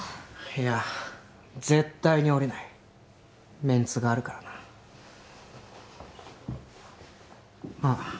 いや絶対におりないメンツがあるからなあっ